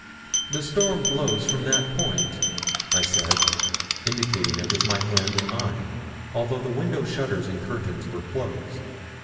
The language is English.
'The storm blows from that point,' I said, indicating it with my hand and eye, although the window shutters and curtains were closed.